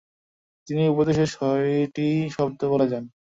তিনি উপদেশের ছয়টি শব্দ বলে যান।